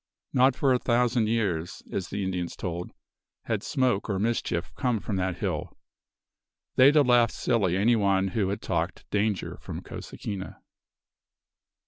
Not for a thousand years, as the Indians told, had smoke or mischief come from that hill; they'd ha' laughed silly any one as had talked danger from Cosequina.